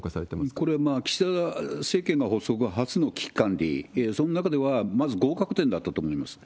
これは岸田政権発足初の危機管理、その中ではまず合格点だったと思います。